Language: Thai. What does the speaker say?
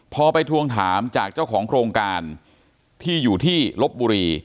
พอไปทวงถามจากเจ้าของโครงการที่อยู่ที่ลบบุรี